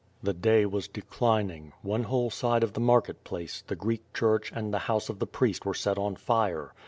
The day was declining. One whole side of the market place, the Greek church, and the house of the priest were set on fire.